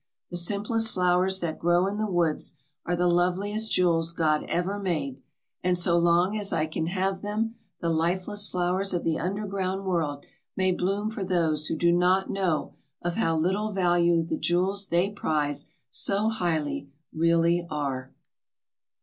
The simplest flowers that grow in the woods are the loveliest jewels God ever made, and so long as I can have them, the lifeless flowers of the underground world may bloom for those who do not know of how little value the jewels they prize so highly really are."